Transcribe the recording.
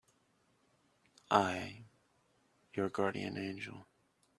I'm your guardian angel.